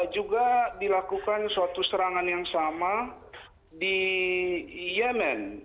juga dilakukan suatu serangan yang sama di yemen